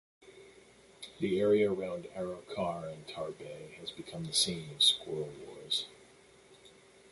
The area around Arrochar and Tarbet has become the scene of "squirrel wars".